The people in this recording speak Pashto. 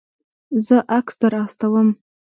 زه عکس در استوم